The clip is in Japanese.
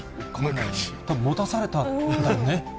たぶん持たされたんだよね？